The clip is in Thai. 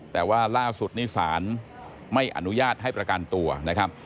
แต่ว่าล่าสุดนี้ศาลไม่อนุญาตให้ประกันตัวนะครับ